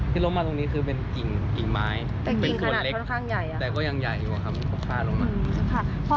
ที่ล้มมาตรงนี้คือเป็นกิ่งไม้เป็นส่วนเล็กแต่ก็ยังใหญ่อยู่อ่ะครับ